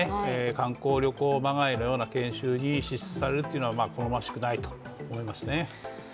観光旅行まがいのような研修に支出されるのは好ましくないと思います。